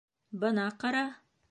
Бына ҡара!